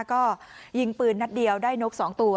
ก็ยิงปืนนัดเดียวได้นก๒ตัว